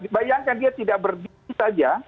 bayangkan dia tidak berdiri saja